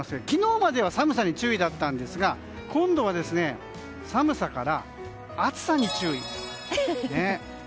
昨日までは寒さに注意だったんですが今度は寒さから暑さに注意。